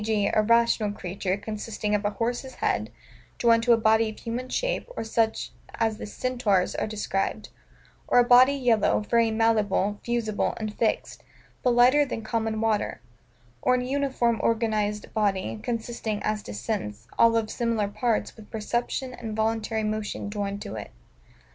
g. a rational creature, consisting of a horse's head, joined to a body of human shape, or such as the CENTAURS are described: or, a body yellow, very malleable, fusible, and fixed, but lighter than common water: or an uniform, unorganized body, consisting, as to sense, all of similar parts, with perception and voluntary motion joined to it.